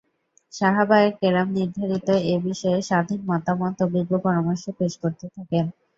সাহাবায়ে কেরাম নির্ধারিত এ বিষয়ে স্বাধীন মতামত ও বিজ্ঞ পরামর্শ পেশ করতে থাকেন।